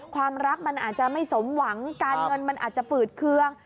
ความรักมันอาจจะไม่สมหวังการเงินมันอาจจะฝืดเคือง